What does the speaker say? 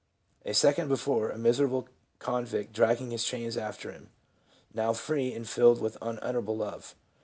A second before, a miserable convict dragging his chains after him ; now free and filled with unutterable love